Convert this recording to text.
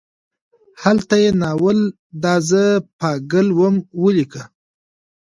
هلته یې ناول دا زه پاګل وم ولیکه.